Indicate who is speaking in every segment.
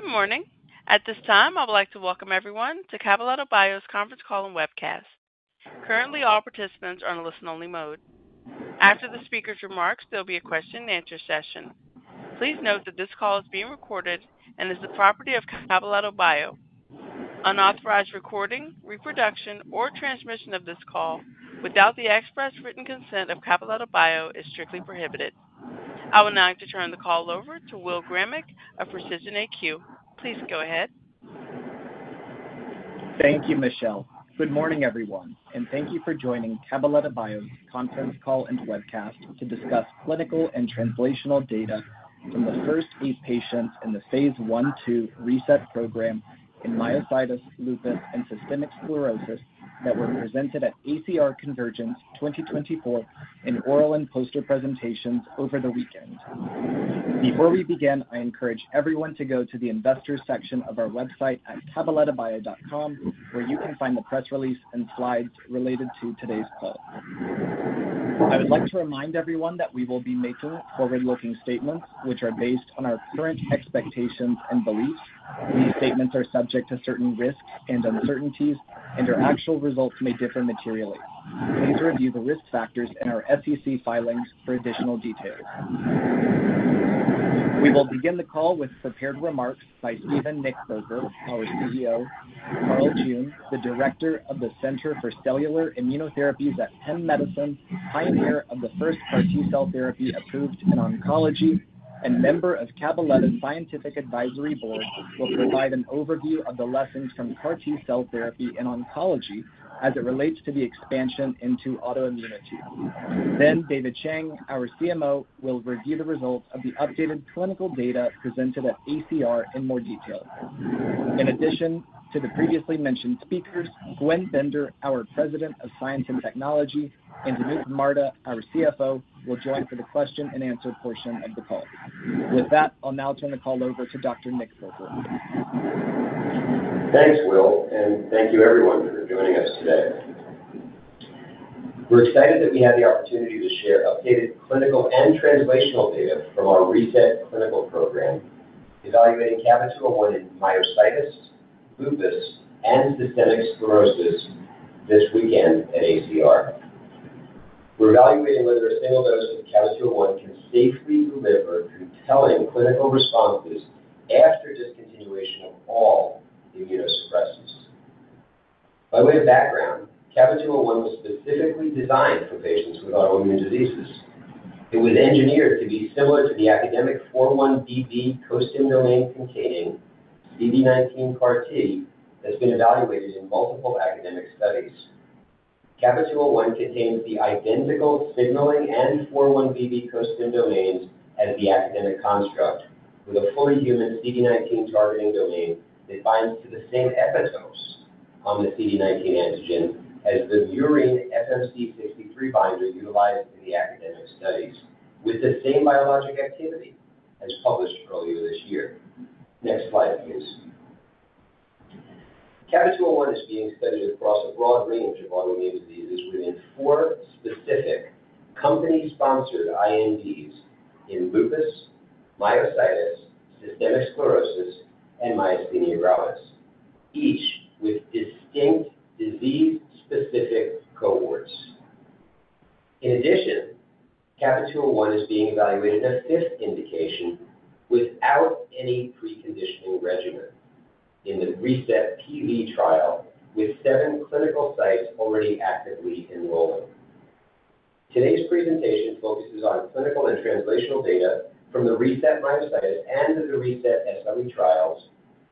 Speaker 1: Good morning. At this time, I would like to welcome everyone to Cabaletta Bio's Conference Call and Webcast. Currently, all participants are in a listen-only mode. After the speaker's remarks, there will be a question-and-answer session. Please note that this call is being recorded and is the property of Cabaletta Bio. Unauthorized recording, reproduction, or transmission of this call without the express written consent of Cabaletta Bio is strictly prohibited. I will now turn the call over to Will Gramig of Precision AQ. Please go ahead.
Speaker 2: Thank you, Michelle. Good morning, everyone, and thank you for joining Cabaletta Bio's Conference Call and Webcast to discuss clinical and translational data from the first eight patients in the phase I-II RESET program in myositis, lupus, and systemic sclerosis that were presented at ACR Convergence 2024 in oral and poster presentations over the weekend. Before we begin, I encourage everyone to go to the investors section of our website at cabalettabio.com, where you can find the press release and slides related to today's call. I would like to remind everyone that we will be making forward-looking statements, which are based on our current expectations and beliefs. These statements are subject to certain risks and uncertainties, and our actual results may differ materially. Please review the risk factors in our SEC filings for additional details. We will begin the call with prepared remarks by Steven Nichtberger, our CEO. Carl June, the director of the Center for Cellular Immunotherapies at Penn Medicine, pioneer of the first CAR-T Cell Therapy approved in oncology, and member of Cabaletta's Scientific Advisory Board, will provide an overview of the lessons from CAR-T Cell Therapy in oncology as it relates to the expansion into autoimmunity. Then, David Chang, our CMO, will review the results of the updated clinical data presented at ACR in more detail. In addition to the previously mentioned speakers, Gwen Binder, our President of Science and Technology, and Anup Marda, our CFO, will join for the question-and-answer portion of the call. With that, I'll now turn the call over to Dr. Nichtberger.
Speaker 3: Thanks, Will, and thank you, everyone, for joining us today. We're excited that we have the opportunity to share updated clinical and translational data from our RESET clinical program evaluating CABA-201 in myositis, lupus, and systemic sclerosis this weekend at ACR. We're evaluating whether a single dose of CABA-201 can safely deliver compelling clinical responses after discontinuation of all immunosuppressants. By way of background, CABA-201 was specifically designed for patients with autoimmune diseases. It was engineered to be similar to the academic 4-1BB first in domain containing CD19 CAR-T that's been evaluated in multiple academic studies. CABA-201 contains the identical signaling and 4-1BB co-stimulatory domains as the academic construct, with a fully human CD19 targeting domain that binds to the same epitope on the CD19 antigen as the murine FMC63 binder utilized in the academic studies, with the same biologic activity as published earlier this year. Next slide, please. CABA-201 is being studied across a broad range of autoimmune diseases within four specific company-sponsored INDs in lupus, myositis, systemic sclerosis, and myasthenia gravis, each with distinct disease-specific cohorts. In addition, CABA-201 is being evaluated in a fifth indication without any preconditioning regimen in the RESET PV trial, with seven clinical sites already actively enrolling. Today's presentation focuses on clinical and translational data from the RESET Myositis and the RESET SLE trials,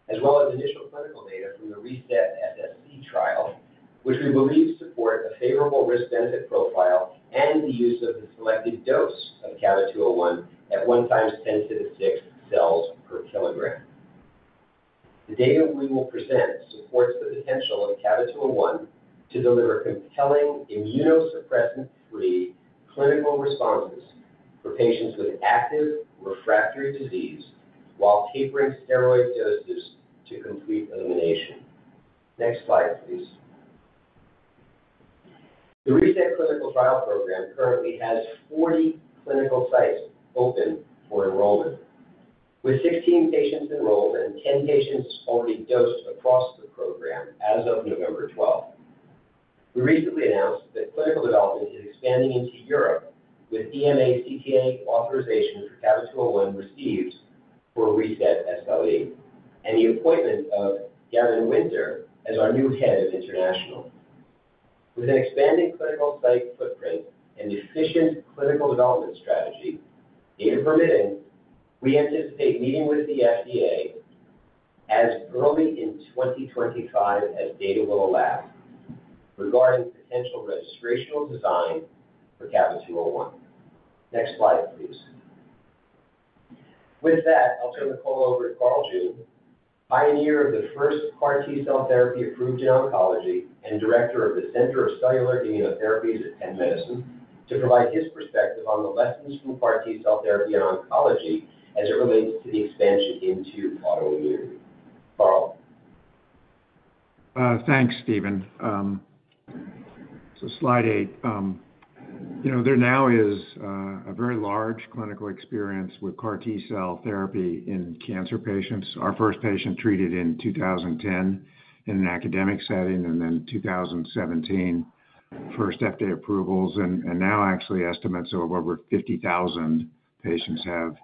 Speaker 3: as well as initial clinical data from the RESET SSc trial, which we believe support a favorable risk-benefit profile and the use of the selected dose of CABA-201 at one times 10 to the 6 cells per kilogram. The data we will present supports the potential of CABA-201 to deliver compelling immunosuppressant-free clinical responses for patients with active refractory disease while tapering steroid doses to complete elimination. Next slide, please. The RESET clinical trial program currently has 40 clinical sites open for enrollment, with 16 patients enrolled and 10 patients already dosed across the program as of November 12. We recently announced that clinical development is expanding into Europe, with EMA CTA authorization for CABA-201 received for RESET SLE and the appointment of Gavin Winter as our new head of international. With an expanding clinical site footprint and efficient clinical development strategy, data permitting, we anticipate meeting with the FDA as early in 2025 as data will allow regarding potential registrational design for CABA-201. Next slide, please. With that, I'll turn the call over to Carl June, pioneer of the first CAR-T cell therapy approved in oncology and Director of the Center for Cellular Immunotherapies at Penn Medicine, to provide his perspective on the lessons from CAR-T cell therapy in oncology as it relates to the expansion into autoimmunity. Carl.
Speaker 4: Thanks, Steven. So slide eight. There now is a very large clinical experience with CAR-T cell therapy in cancer patients. Our first patient treated in 2010 in an academic setting and then 2017 first FDA approvals, and now actually estimates of over 50,000 patients have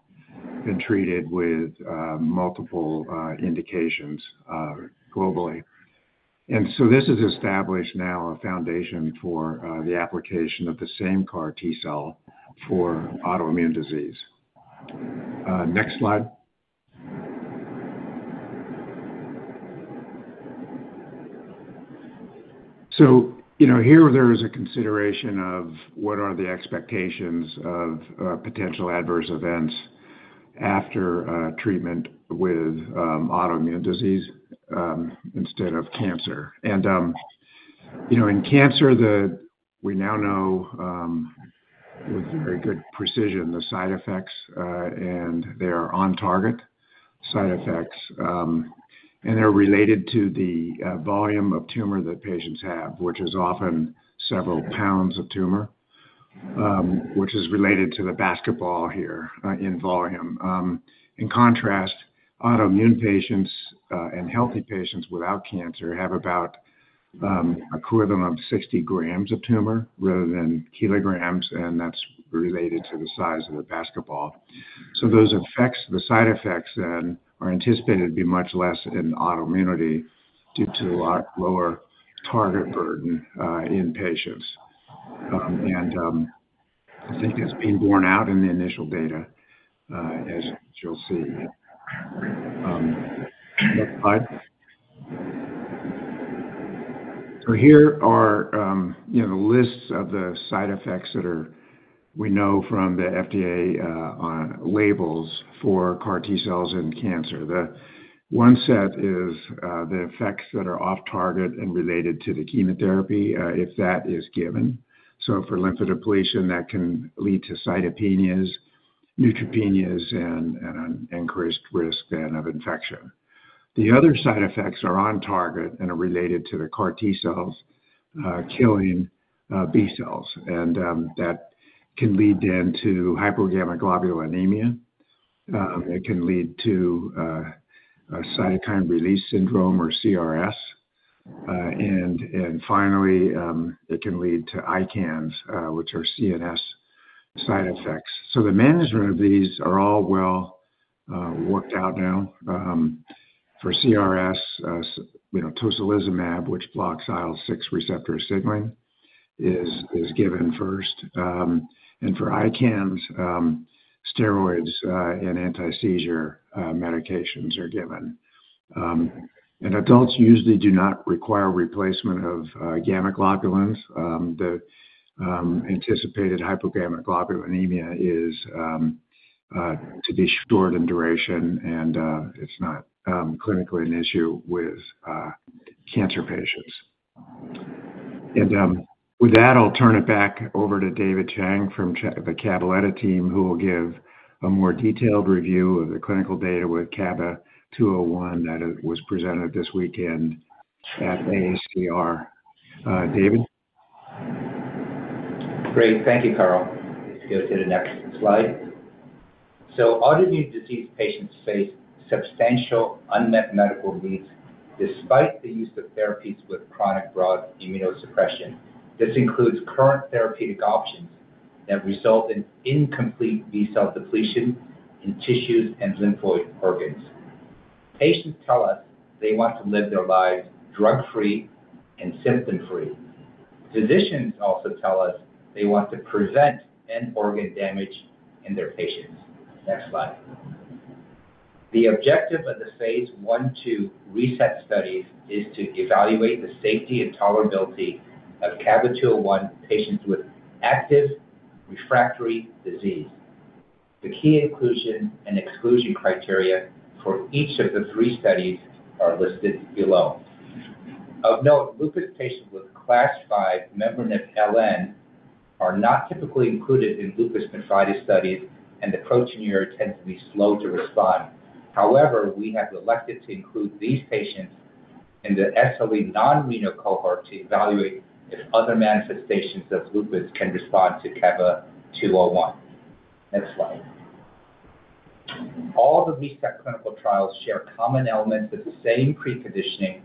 Speaker 4: been treated with multiple indications globally. And so this has established now a foundation for the application of the same CAR-T cell for autoimmune disease. Next slide. So here there is a consideration of what are the expectations of potential adverse events after treatment with autoimmune disease instead of cancer. And in cancer, we now know with very good precision the side effects, and they are on-target side effects, and they're related to the volume of tumor that patients have, which is often several pounds of tumor, which is related to the basketball here in volume. In contrast, autoimmune patients and healthy patients without cancer have about an equivalent of 60 grams of tumor rather than kilograms, and that's related to the size of the basketball. So those effects, the side effects then, are anticipated to be much less in autoimmunity due to a lot lower target burden in patients. And I think that's being borne out in the initial data, as you'll see. Next slide. So here are the lists of the side effects that we know from the FDA labels for CAR-T cells in cancer. The one set is the effects that are off-target and related to the chemotherapy if that is given. So for lymphodepletion, that can lead to cytopenias, neutropenias, and an increased risk then of infection. The other side effects are on-target and are related to the CAR-T cells killing B cells, and that can lead then to hypogammaglobulinemia. It can lead to cytokine release syndrome or CRS. And finally, it can lead to ICANS, which are CNS side effects. So the management of these are all well worked out now. For CRS, tocilizumab, which blocks IL-6 receptor signaling, is given first. And for ICANS, steroids and anti-seizure medications are given. And adults usually do not require replacement of gammaglobulins. The anticipated hypogammaglobulinemia is to be short in duration, and it's not clinically an issue with cancer patients. And with that, I'll turn it back over to David Chang from the Cabaletta team, who will give a more detailed review of the clinical data with CABA-201 that was presented this weekend at ACR. David.
Speaker 5: Great. Thank you, Carl. Let's go to the next slide. So autoimmune disease patients face substantial unmet medical needs despite the use of therapies with chronic broad immunosuppression. This includes current therapeutic options that result in incomplete B cell depletion in tissues and lymphoid organs. Patients tell us they want to live their lives drug-free and symptom-free. Physicians also tell us they want to prevent end-organ damage in their patients. Next slide. The objective of the phase I/II RESET studies is to evaluate the safety and tolerability of CABA-201 patients with active refractory disease. The key inclusion and exclusion criteria for each of the three studies are listed below. Of note, lupus patients with class V membranous LN are not typically included in lupus nephritis studies, and the proteinuria tends to be slow to respond. However, we have elected to include these patients in the SLE non-renal cohort to evaluate if other manifestations of lupus can respond to CABA-201. Next slide. All the RESET clinical trials share common elements of the same preconditioning,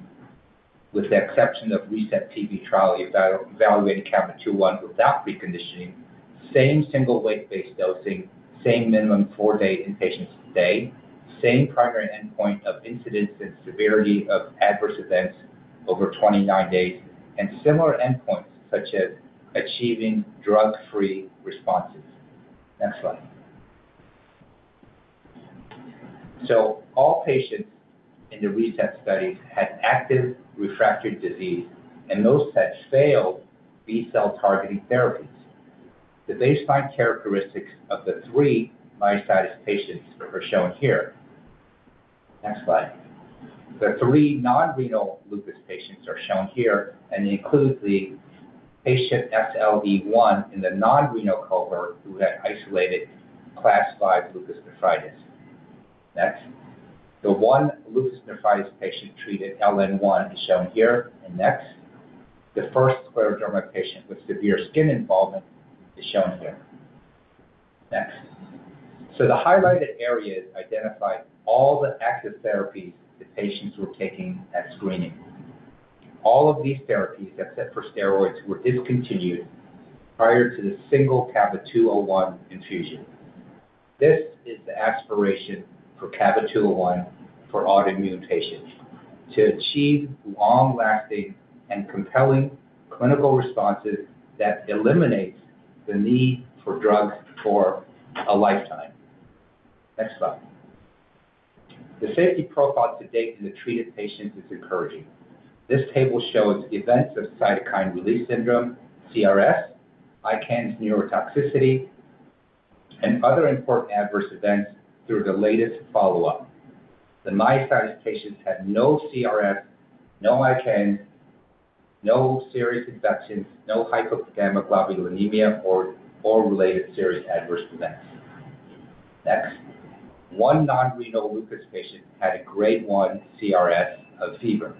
Speaker 5: with the exception of RESET PV trial evaluating CABA-201 without preconditioning, same single weight-based dosing, same minimum four-day inpatient stay, same primary endpoint of incidence and severity of adverse events over 29 days, and similar endpoints such as achieving drug-free responses. Next slide. So all patients in the RESET studies had active refractory disease, and most had failed B cell targeting therapies. The baseline characteristics of the three myositis patients are shown here. Next slide. The three non-renal lupus patients are shown here, and they include the patient SLE1 in the non-renal cohort who had isolated class 5 lupus nephritis. Next. The one lupus nephritis patient treated LN1 is shown here. Next, the first scleroderma patient with severe skin involvement is shown here. Next. The highlighted areas identify all the active therapies the patients were taking at screening. All of these therapies except for steroids were discontinued prior to the single CABA-201 infusion. This is the aspiration for CABA-201 for autoimmune patients to achieve long-lasting and compelling clinical responses that eliminate the need for drugs for a lifetime. Next slide. The safety profile to date in the treated patients is encouraging. This table shows events of cytokine release syndrome, CRS, ICANS neurotoxicity, and other important adverse events through the latest follow-up. The myositis patients had no CRS, no ICANS, no serious infections, no hypogammaglobulinemia, or related serious adverse events. Next. One non-renal lupus patient had a grade 1 CRS of fever.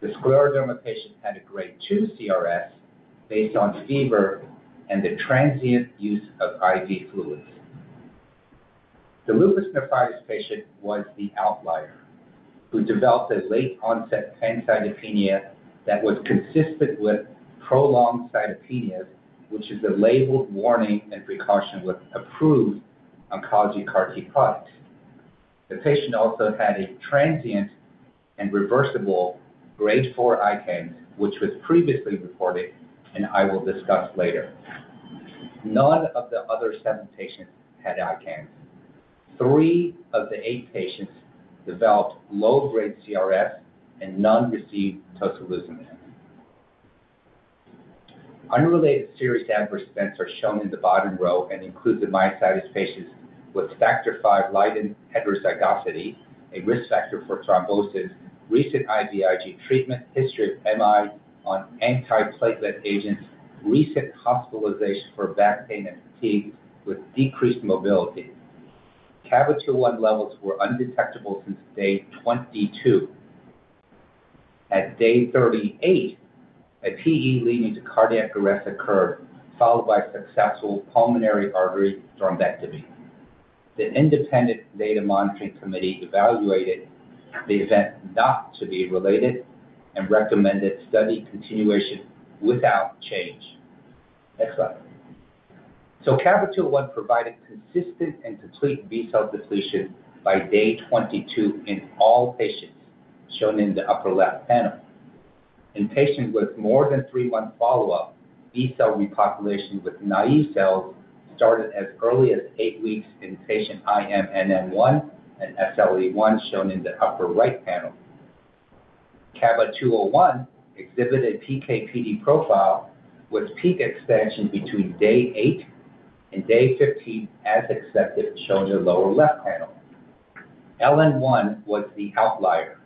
Speaker 5: The scleroderma patient had a grade 2 CRS based on fever and the transient use of IV fluids. The lupus nephritis patient was the outlier who developed a late-onset pancytopenia that was consistent with prolonged cytopenias, which is a labeled warning and precaution with approved oncology CAR-T products. The patient also had a transient and reversible grade 4 ICANS, which was previously reported, and I will discuss later. None of the other seven patients had ICANS. Three of the eight patients developed low-grade CRS, and none received tocilizumab. Unrelated serious adverse events are shown in the bottom row and include the myositis patients with factor V Leiden heterozygosity, a risk factor for thrombosis, recent IVIG treatment, history of MI on antiplatelet agents, recent hospitalization for back pain and fatigue with decreased mobility. CABA-201 levels were undetectable since day 22. At day 38, a TE leading to cardiac arrest occurred, followed by successful pulmonary artery thrombectomy. The independent data monitoring committee evaluated the event not to be related and recommended study continuation without change. Next slide. So CABA-201 provided consistent and complete B cell depletion by day 22 in all patients shown in the upper left panel. In patients with more than three-month follow-up, B cell repopulation with naive cells started as early as eight weeks in patient IM NN1 and SLE1 shown in the upper right panel. CABA-201 exhibited PK/PD profile with peak expansion between day eight and day 15 as expected shown in the lower left panel. LN1 was the outlier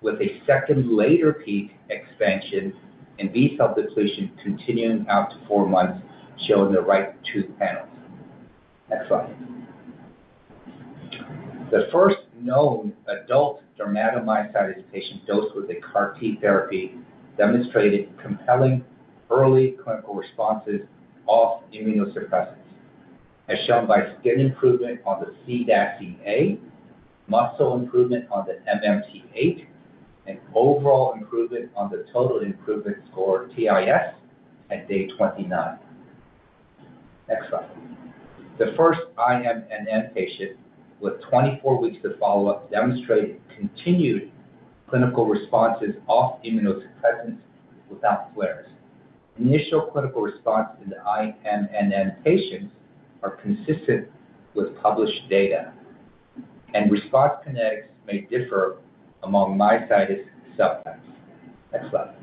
Speaker 5: with a second later peak expansion and B cell depletion continuing out to four months shown in the right two panels. Next slide. The first known adult dermatomyositis patient dosed with a CAR-T therapy demonstrated compelling early clinical responses off immunosuppressants, as shown by skin improvement on the CDASI-A, muscle improvement on the MMT-8, and overall improvement on the total improvement score TIS at day 29. Next slide. The first IMNM patient with 24 weeks of follow-up demonstrated continued clinical responses off immunosuppressants without flares. Initial clinical response in the IMNM patients are consistent with published data, and response kinetics may differ among myositis subtypes. Next slide.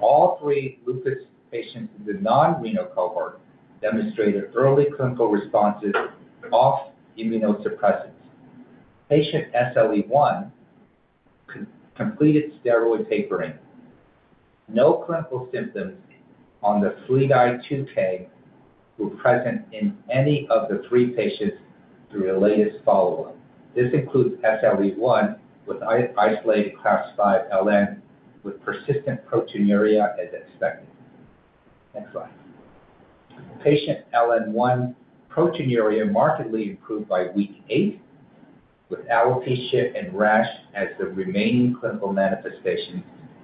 Speaker 5: All three lupus patients in the non-renal cohort demonstrated early clinical responses off immunosuppressants. Patient SLE1 completed steroid tapering. No clinical symptoms on the SLEDAI-2K were present in any of the three patients through the latest follow-up. This includes SLE1 with isolated class 5 LN with persistent proteinuria as expected. Next slide. Patient LN1 proteinuria markedly improved by week 8 with alopecia and rash as the remaining clinical manifestations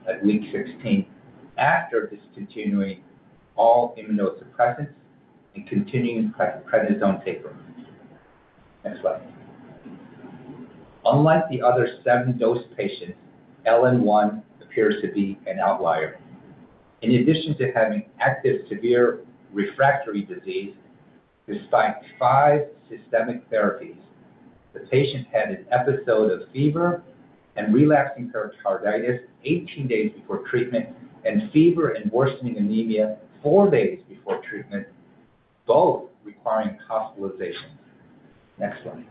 Speaker 5: at week 16 after discontinuing all immunosuppressants and continuing prednisone tapering. Next slide. Unlike the other seven dosed patients, LN1 appears to be an outlier. In addition to having active severe refractory disease, despite five systemic therapies, the patient had an episode of fever and relapsing pericarditis 18 days before treatment and fever and worsening anemia four days before treatment, both requiring hospitalization. Next slide.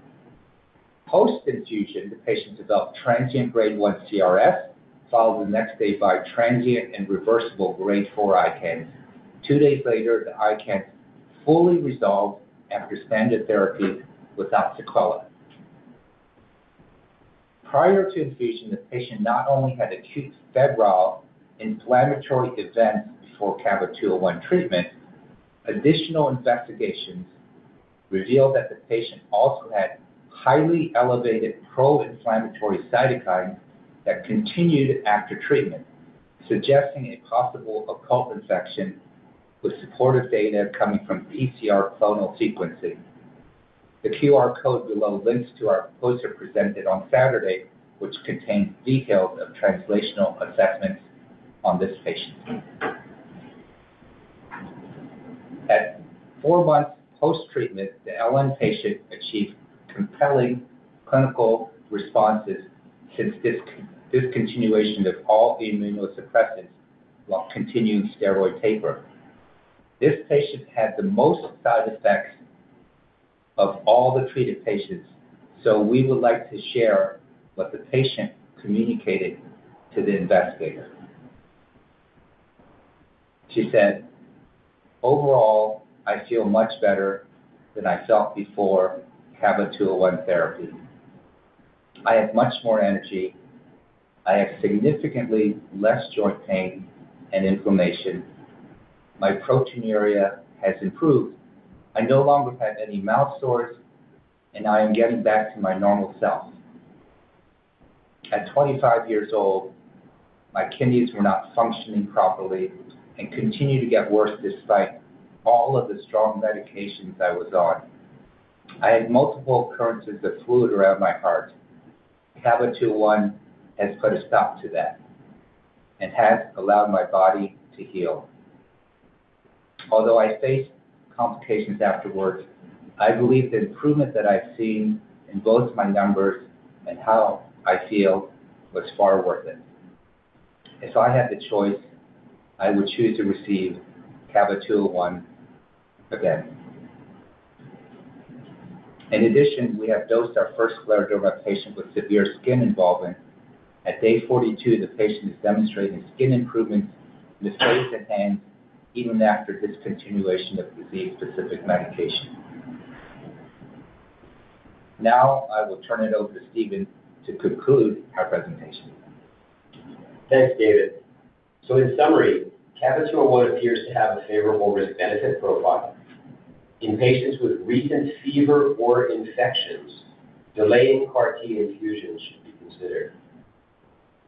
Speaker 5: Post-infusion, the patient developed transient grade 1 CRS, followed the next day by transient and reversible grade 4 ICANS. Two days later, the ICANS fully resolved after standard therapy without sequelae. Prior to infusion, the patient not only had acute febrile inflammatory events before CABA-201 treatment. Additional investigations revealed that the patient also had highly elevated pro-inflammatory cytokines that continued after treatment, suggesting a possible occult infection with supportive data coming from PCR clonal sequencing. The QR code below links to our poster presented on Saturday, which contains details of translational assessments on this patient. At four months post-treatment, the LN patient achieved compelling clinical responses since discontinuation of all immunosuppressants while continuing steroid taper. This patient had the most side effects of all the treated patients, so we would like to share what the patient communicated to the investigator. She said, "Overall, I feel much better than I felt before CABA-201 therapy. I have much more energy. I have significantly less joint pain and inflammation. My proteinuria has improved. I no longer have any mouth sores, and I am getting back to my normal self. At 25 years old, my kidneys were not functioning properly and continue to get worse despite all of the strong medications I was on. I had multiple occurrences of fluid around my heart. CABA-201 has put a stop to that and has allowed my body to heal. Although I faced complications afterwards, I believe the improvement that I've seen in both my numbers and how I feel was far worth it. If I had the choice, I would choose to receive CABA-201 again." In addition, we have dosed our first scleroderma patient with severe skin involvement. At day 42, the patient is demonstrating skin improvement with datas at hand even after discontinuation of disease-specific medication. Now, I will turn it over to Stephen to conclude our presentation.
Speaker 3: Thanks, David. So in summary, CABA-201 appears to have a favorable risk-benefit profile. In patients with recent fever or infections, delaying CAR-T infusion should be considered.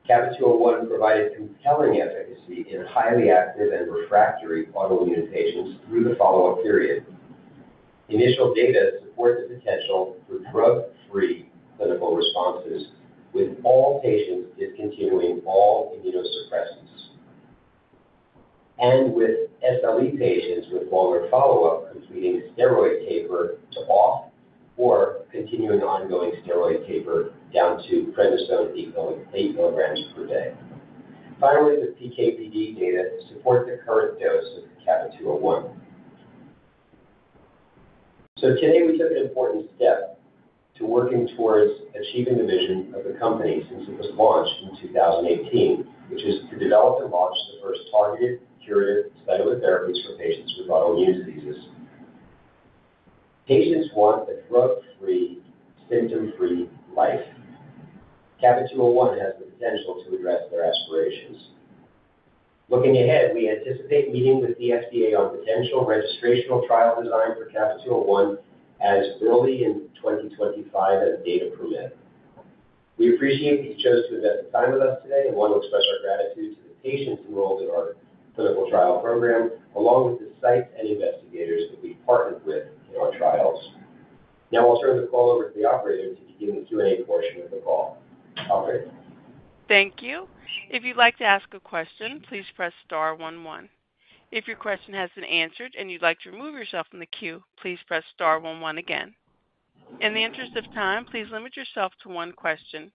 Speaker 3: CABA-201 provided compelling efficacy in highly active and refractory autoimmune patients through the follow-up period. Initial data support the potential for drug-free clinical responses with all patients discontinuing all immunosuppressants and with SLE patients with longer follow-up completing steroid taper to off or continuing ongoing steroid taper down to prednisone equivalent eight milligrams per day. Finally, the PK/PD data support the current dose of CABA-201. So today, we took an important step to working towards achieving the vision of the company since it was launched in 2018, which is to develop and launch the first targeted curative steroid therapies for patients with autoimmune diseases. Patients want a drug-free, symptom-free life. CABA-201 has the potential to address their aspirations. Looking ahead, we anticipate meeting with the FDA on potential registrational trial design for CABA-201 as early in 2025 as data permit. We appreciate that you chose to invest the time with us today and want to express our gratitude to the patients enrolled in our clinical trial program along with the sites and investigators that we've partnered with in our trials. Now, I'll turn the call over to the operator to begin the Q&A portion of the call. Operator.
Speaker 1: Thank you. If you'd like to ask a question, please press star 11. If your question has been answered and you'd like to remove yourself from the queue, please press star 11 again. In the interest of time, please limit yourself to one question.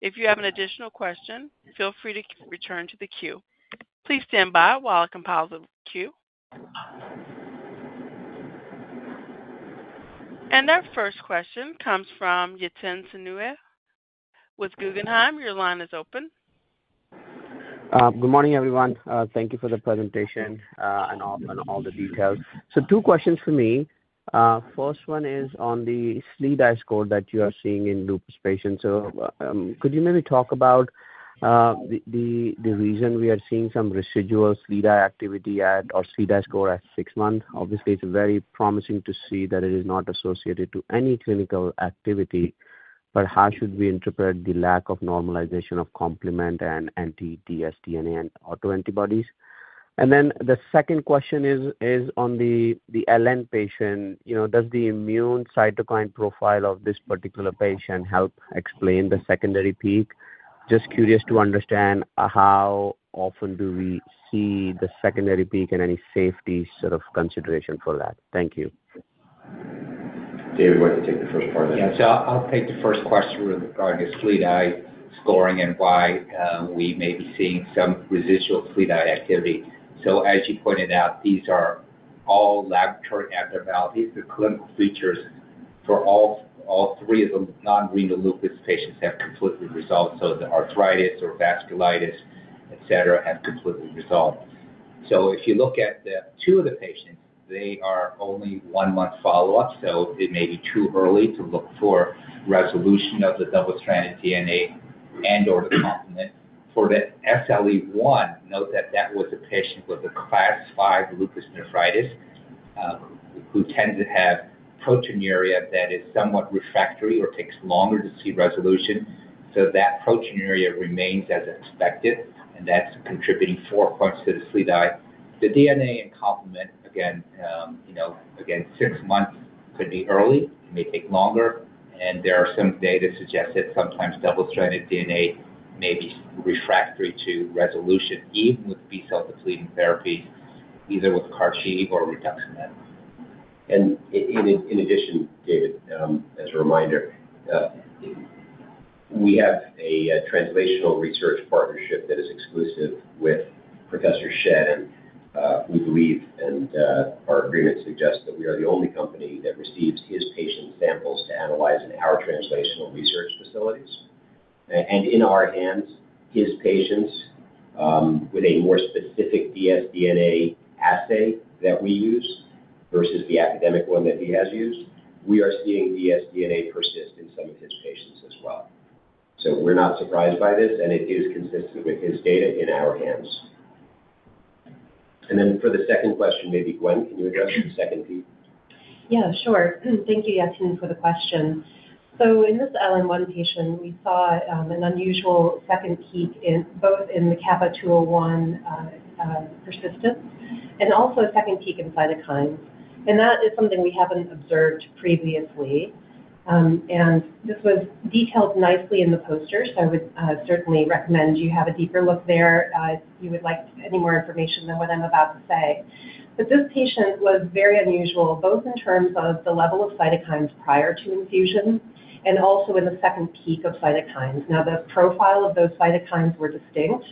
Speaker 1: If you have an additional question, feel free to return to the queue. Please stand by while I compile the queue. And our first question comes from Yatin Suneja. With Guggenheim, your line is open.
Speaker 6: Good morning, everyone. Thank you for the presentation and all the details. So two questions for me. First one is on the SLEDAI score that you are seeing in lupus patients. So could you maybe talk about the reason we are seeing some residual SLEDAI activity or SLEDAI score at six months? Obviously, it's very promising to see that it is not associated to any clinical activity, but how should we interpret the lack of normalization of complement and anti-dsDNA and autoantibodies? And then the second question is on the LN patient. Does the immune cytokine profile of this particular patient help explain the secondary peak? Just curious to understand how often do we see the secondary peak and any safety sort of consideration for that? Thank you.
Speaker 3: David, why don't you take the first part of that?
Speaker 5: Yeah. So I'll take the first question regarding SLEDAI scoring and why we may be seeing some residual SLEDAI activity. So as you pointed out, these are all laboratory abnormalities. The clinical features for all three of the non-renal lupus patients have completely resolved. So the arthritis or vasculitis, etc., have completely resolved. So if you look at the two of the patients, they are only one-month follow-up, so it may be too early to look for resolution of the double-stranded DNA and/or the complement. For the SLE1, note that that was a patient with a Class V lupus nephritis who tends to have proteinuria that is somewhat refractory or takes longer to see resolution. So that proteinuria remains as expected, and that's contributing four points to the SLEDAI. The DNA and complement, again, six months could be early. It may take longer, and there are some data suggest that sometimes double-stranded DNA may be refractory to resolution even with B cell depleting therapies, either with CAR-T or reduction methods.
Speaker 3: And in addition, David, as a reminder, we have a translational research partnership that is exclusive with Professor Schett, and we believe and our agreement suggests that we are the only company that receives his patient samples to analyze in our translational research facilities. And in our hands, his patients with a more specific dsDNA assay that we use versus the academic one that he has used, we are seeing dsDNA persist in some of his patients as well. So we're not surprised by this, and it is consistent with his data in our hands. And then for the second question, maybe Gwen, can you address the second peak?
Speaker 7: Yeah, sure. Thank you, Yatin, for the question. So in this LN1 patient, we saw an unusual second peak both in the CABA-201 persistence and also a second peak in cytokines. And that is something we haven't observed previously. And this was detailed nicely in the poster, so I would certainly recommend you have a deeper look there if you would like any more information than what I'm about to say. But this patient was very unusual both in terms of the level of cytokines prior to infusion and also in the second peak of cytokines. Now, the profile of those cytokines were distinct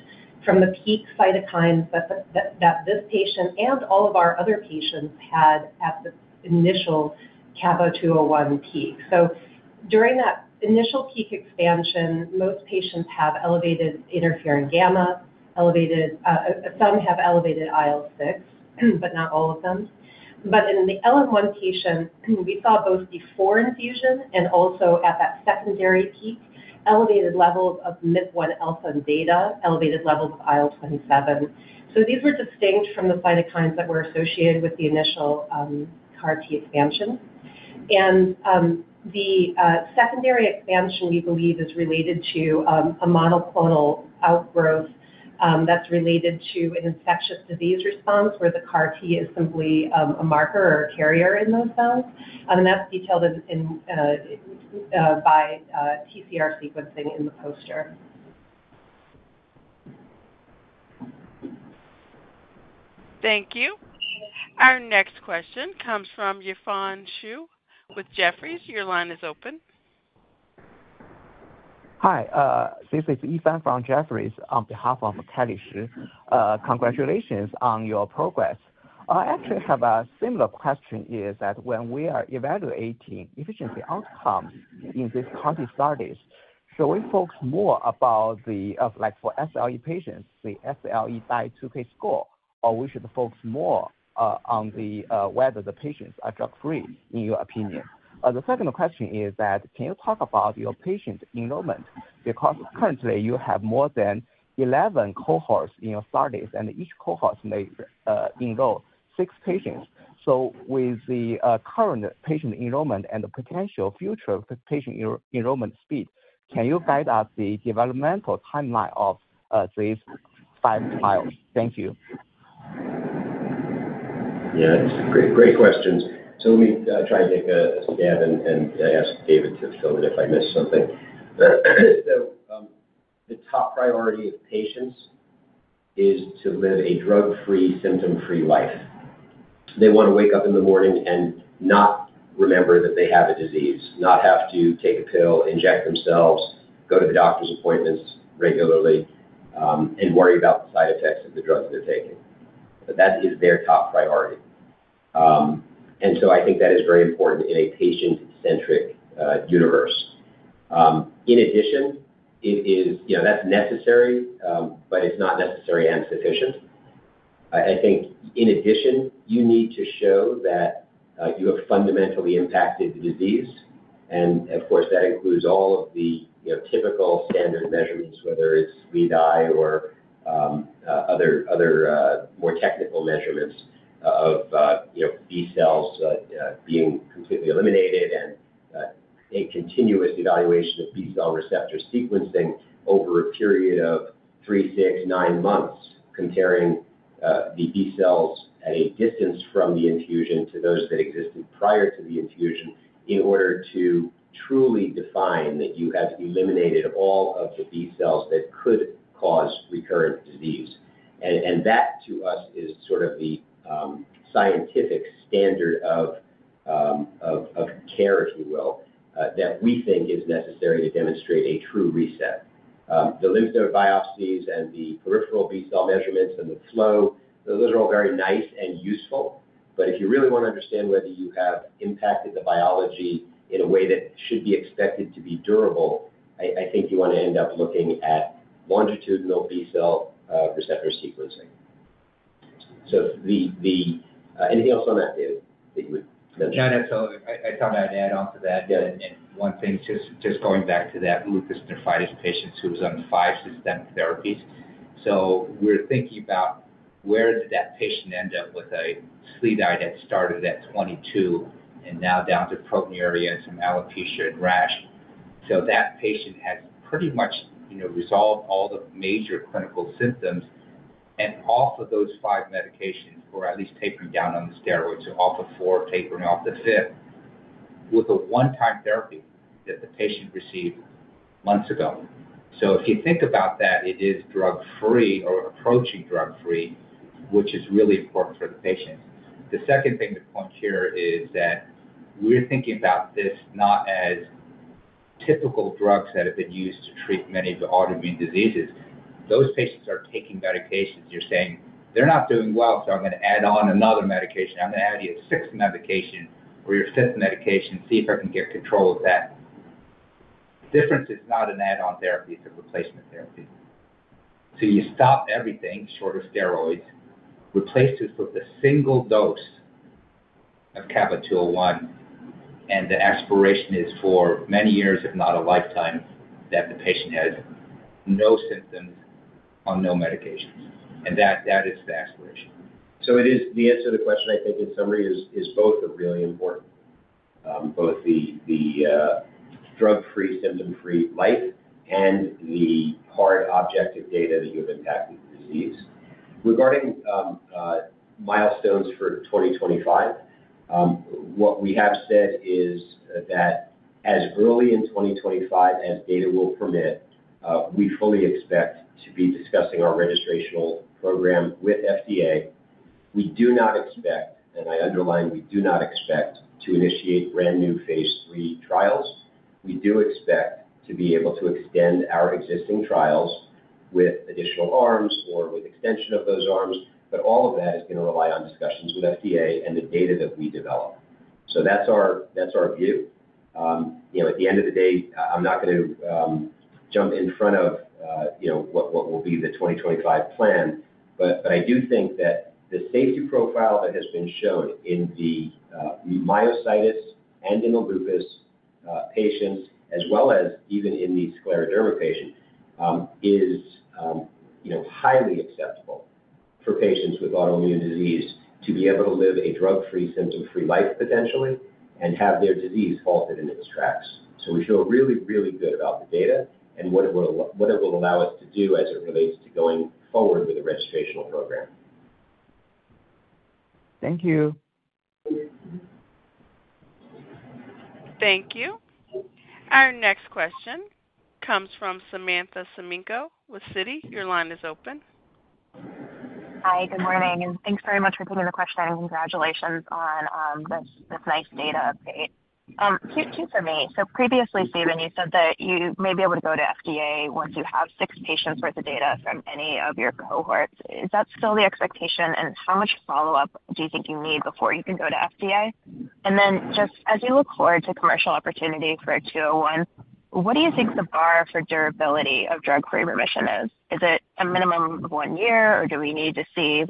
Speaker 7: from the peak cytokines that this patient and all of our other patients had at the initial CABA-201 peak. So during that initial peak expansion, most patients have elevated interferon gamma, some have elevated IL-6, but not all of them. But in the LN1 patient, we saw both before infusion and also at that secondary peak, elevated levels of MIP-1 alpha and beta, elevated levels of IL-27. So these were distinct from the cytokines that were associated with the initial CAR-T expansion. And the secondary expansion, we believe, is related to a monoclonal outgrowth that's related to an infectious disease response where the CAR-T is simply a marker or a carrier in those cells. And that's detailed by TCR sequencing in the poster.
Speaker 1: Thank you. Our next question comes from Yifan Xu with Jefferies. Your line is open.
Speaker 8: Hi. This is Yifan from Jefferies on behalf of Yifan Xu. Congratulations on your progress. I actually have a similar question is that when we are evaluating efficacy outcomes in these CAR-T studies, should we focus more about the, like for SLE patients, the SLEDAI-2K score, or we should focus more on whether the patients are drug-free, in your opinion? The second question is that can you talk about your patient enrollment? Because currently, you have more than 11 cohorts in your studies, and each cohort may enroll six patients. So with the current patient enrollment and the potential future patient enrollment speed, can you guide us the developmental timeline of these five trials? Thank you.
Speaker 3: Yeah, it's great questions. So let me try to take a stab and ask David to fill in if I missed something. So the top priority of patients is to live a drug-free, symptom-free life. They want to wake up in the morning and not remember that they have a disease, not have to take a pill, inject themselves, go to the doctor's appointments regularly, and worry about the side effects of the drugs they're taking. That is their top priority. And so I think that is very important in a patient-centric universe. In addition, it is, you know, that's necessary, but it's not necessary and sufficient. I think in addition, you need to show that you have fundamentally impacted the disease. And of course, that includes all of the typical standard measurements, whether it's SLEDAI or other more technical measurements of B cells being completely eliminated and a continuous evaluation of B cell receptor sequencing over a period of three, six, nine months, comparing the B cells at a distance from the infusion to those that existed prior to the infusion in order to truly define that you have eliminated all of the B cells that could cause recurrent disease, and that, to us, is sort of the scientific standard of care, if you will, that we think is necessary to demonstrate a true reset. The lymph node biopsies and the peripheral B cell measurements and the flow, those are all very nice and useful. But if you really want to understand whether you have impacted the biology in a way that should be expected to be durable, I think you want to end up looking at longitudinal B cell receptor sequencing. So anything else on that, David, that you would mention?
Speaker 5: Yeah, that's all. I thought I'd add on to that. And one thing, just going back to that lupus nephritis patient who was on five systemic therapies. So we're thinking about where that patient ended up with a SLEDAI that started at 22 and now down to proteinuria and some alopecia and rash. So that patient has pretty much resolved all the major clinical symptoms and off of those five medications, or at least tapering down on the steroids, so off the fourth, tapering off the fifth, with a one-time therapy that the patient received months ago. So if you think about that, it is drug-free or approaching drug-free, which is really important for the patient. The second thing to point here is that we're thinking about this not as typical drugs that have been used to treat many of the autoimmune diseases. Those patients are taking medications. You're saying, "They're not doing well, so I'm going to add on another medication. I'm going to add you a sixth medication or your fifth medication, see if I can get control of that." Difference is not an add-on therapy. It's a replacement therapy. So you stop everything, short of steroids, replace this with a single dose of CABA-201, and the aspiration is for many years, if not a lifetime, that the patient has no symptoms on no medications. And that is the aspiration.
Speaker 3: The answer to the question, I think in summary, is both really important, both the drug-free, symptom-free life and the hard objective data that you have impacted the disease. Regarding milestones for 2025, what we have said is that as early in 2025 as data will permit, we fully expect to be discussing our registrational program with FDA. We do not expect, and I underline, we do not expect to initiate brand new phase III trials. We do expect to be able to extend our existing trials with additional arms or with extension of those arms, but all of that is going to rely on discussions with FDA and the data that we develop. That's our view. At the end of the day, I'm not going to jump in front of what will be the 2025 plan, but I do think that the safety profile that has been shown in the myositis and in the lupus patients, as well as even in the scleroderma patient, is highly acceptable for patients with autoimmune disease to be able to live a drug-free, symptom-free life potentially and have their disease halted in its tracks. So we feel really, really good about the data and what it will allow us to do as it relates to going forward with the registrational program.
Speaker 8: Thank you.
Speaker 1: Thank you. Our next question comes from Samantha Semenkow with Citi. Your line is open.
Speaker 9: Hi, good morning. And thanks very much for taking the question and congratulations on this nice data update. Q for me. So previously, Steven, you said that you may be able to go to FDA once you have six patients' worth of data from any of your cohorts. Is that still the expectation? And how much follow-up do you think you need before you can go to FDA? And then just as you look forward to commercial opportunity for 201, what do you think the bar for durability of drug-free remission is? Is it a minimum of one year, or do we need to see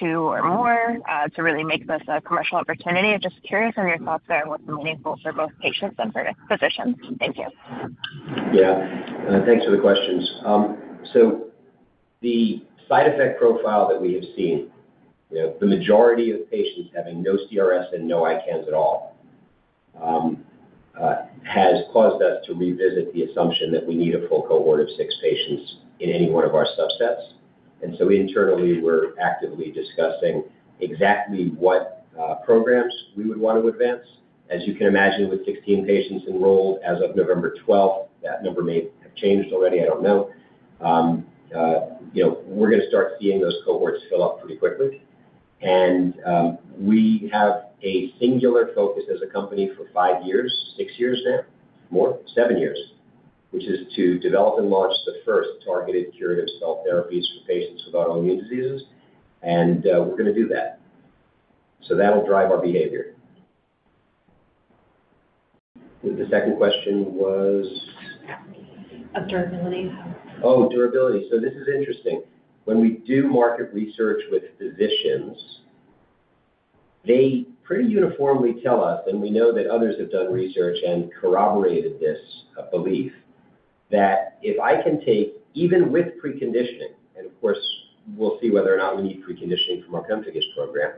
Speaker 9: two or more to really make this a commercial opportunity? Just curious on your thoughts there and what's meaningful for both patients and physicians. Thank you.
Speaker 3: Yeah. Thanks for the questions. So the side effect profile that we have seen, the majority of patients having no CRS and no ICANS at all, has caused us to revisit the assumption that we need a full cohort of six patients in any one of our subsets. And so internally, we're actively discussing exactly what programs we would want to advance. As you can imagine, with 16 patients enrolled as of November 12th, that number may have changed already. I don't know. We're going to start seeing those cohorts fill up pretty quickly. And we have a singular focus as a company for five years, six years now, more, seven years, which is to develop and launch the first targeted curative cell therapies for patients with autoimmune diseases. And we're going to do that. So that'll drive our behavior. The second question was?
Speaker 7: Of durability.
Speaker 3: Oh, durability, so this is interesting. When we do market research with physicians, they pretty uniformly tell us, and we know that others have done research and corroborated this belief, that if I can take, even with preconditioning, and of course, we'll see whether or not we need preconditioning from our RESET program,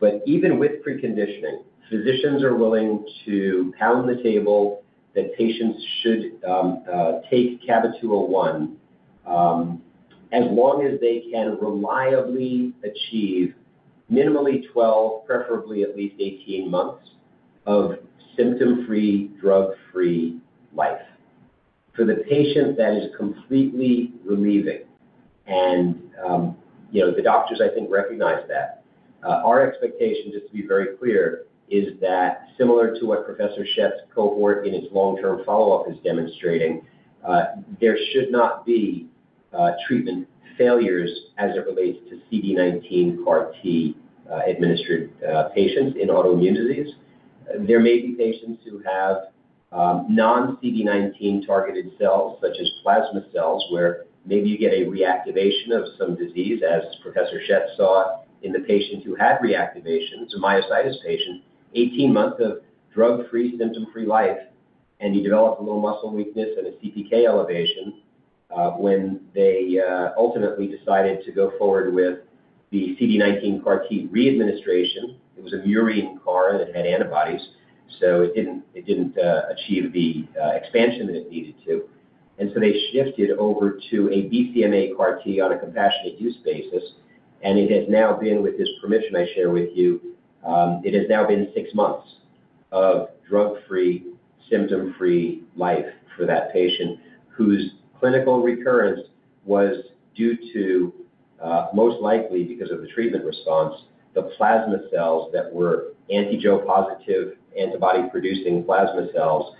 Speaker 3: but even with preconditioning, physicians are willing to pound the table that patients should take CABA-201 as long as they can reliably achieve minimally 12, preferably at least 18 months of symptom-free, drug-free life. For the patient, that is completely relieving, and the doctors, I think, recognize that. Our expectation, just to be very clear, is that similar to what Professor Schett's cohort in its long-term follow-up is demonstrating, there should not be treatment failures as it relates to CD19 CAR-T-administered patients in autoimmune disease. There may be patients who have non-CD19 targeted cells, such as plasma cells, where maybe you get a reactivation of some disease, as Professor Schett saw in the patient who had reactivation, the myositis patient, 18 months of drug-free, symptom-free life, and you developed a little muscle weakness and a CPK elevation. When they ultimately decided to go forward with the CD19 CAR-T readministration, it was a murine CAR, and it had antibodies. So it didn't achieve the expansion that it needed to. And so they shifted over to a BCMA CAR-T on a compassionate use basis. It has now been, with this permission I share with you, six months of drug-free, symptom-free life for that patient whose clinical recurrence was due to, most likely because of the treatment response, the plasma cells that were anti-Jo-1-positive, antibody-producing plasma cells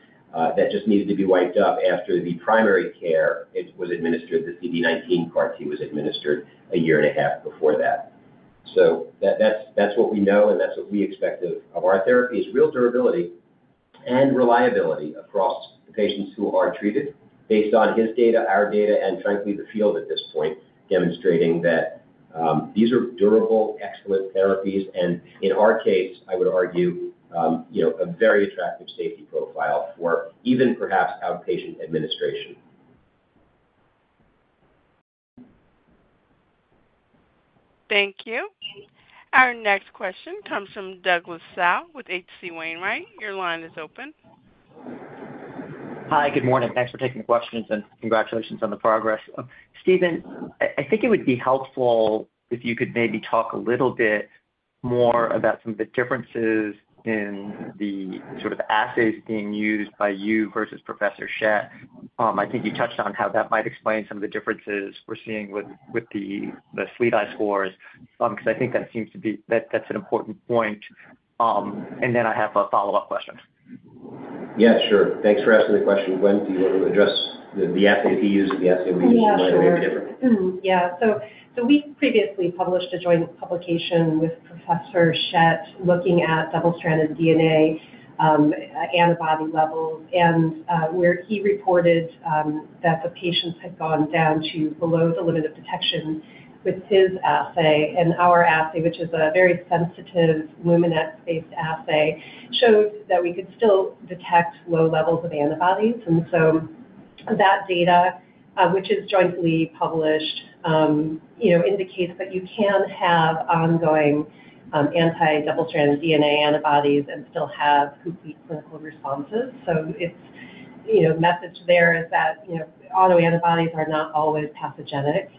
Speaker 3: that just needed to be wiped out after the primary CAR-T was administered. The CD19 CAR-T was administered a year and a half before that. So that's what we know, and that's what we expect of our therapy: real durability and reliability across the patients who are treated based on his data, our data, and frankly, the field at this point, demonstrating that these are durable, excellent therapies. In our case, I would argue a very attractive safety profile for even perhaps outpatient administration.
Speaker 1: Thank you. Our next question comes from Douglas Tsao with H.C. Wainwright. Your line is open.
Speaker 10: Hi, good morning. Thanks for taking the questions and congratulations on the progress. Steven, I think it would be helpful if you could maybe talk a little bit more about some of the differences in the sort of assays being used by you versus Professor Schett. I think you touched on how that might explain some of the differences we're seeing with the SLEDAI scores, because I think that seems to be an important point. And then I have a follow-up question.
Speaker 3: Yeah, sure. Thanks for asking the question. When do you address the assay that he uses and the assay we use? It may be different.
Speaker 7: Yeah. So we previously published a joint publication with Professor Schett looking at double-stranded DNA antibody levels, and he reported that the patients had gone down to below the limit of detection with his assay. And our assay, which is a very sensitive luminescence-based assay, showed that we could still detect low levels of antibodies. And so that data, which is jointly published, indicates that you can have ongoing anti-double-stranded DNA antibodies and still have complete clinical responses. So the message there is that autoantibodies are not always pathogenic.